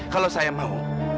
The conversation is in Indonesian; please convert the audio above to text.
kalau saya mau